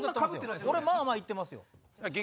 俺まぁまぁいってますよ。